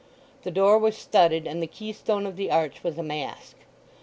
The door was studded, and the keystone of the arch was a mask.